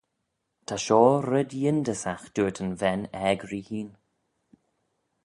Ta shoh red yindysagh dooyrt yn ven aeg ree hene.